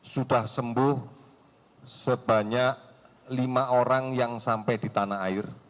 sudah sembuh sebanyak lima orang yang sampai di tanah air